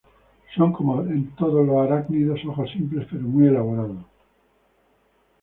Son, como en todos los arácnidos, ojos simples, pero muy elaborados.